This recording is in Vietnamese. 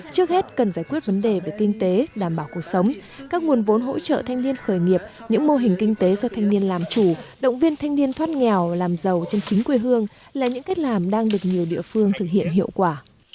trước hết cần giải quyết vấn đề về kinh tế đảm bảo cuộc sống các nguồn vốn hỗ trợ thanh niên khởi nghiệp những mô hình kinh tế do thanh niên làm chủ động viên thanh niên thoát nghèo làm giàu trên chính quê hương là những cách làm đang được nhiều địa phương thực hiện hiệu quả